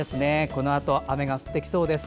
このあと雨が降ってきそうです。